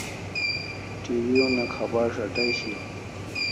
TV una khabar shati shiaw